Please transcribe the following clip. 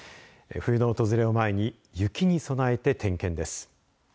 冬の訪れを前に雪に備えて点検です。